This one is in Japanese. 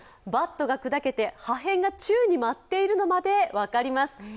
バットが砕けて破片が宙に舞っているのまで分かります。